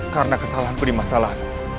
karena kesalahanku di masalah